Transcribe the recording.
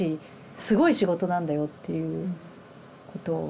すごい仕事なんだよっていうことを。